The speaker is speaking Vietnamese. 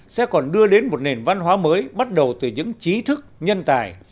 sẽ còn đưa đến một nền văn hóa mới bắt đầu từ những trí thức nhân tài